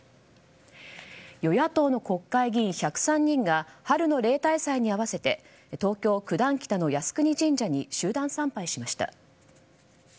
与野党の国会議員１０３人が春の例大祭に合わせて東京・九段北の靖国神社に集団参拝しました。